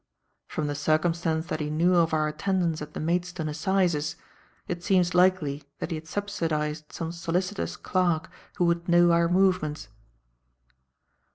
From the circumstance that he knew of our attendance at the Maidstone Assizes, it seems likely that he had subsidized some solicitor's clerk who would know our movements."